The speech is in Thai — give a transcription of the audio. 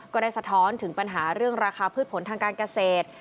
สะท้อนถึงปัญหาเรื่องราคาพืชผลทางการเกษตร